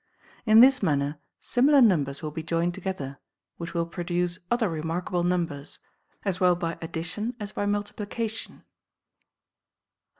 In this manner similar numbers will be joined together, which will produce other remarkable numbers, as well by addi tion as by multiplication.